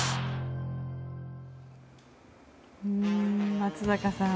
松坂さん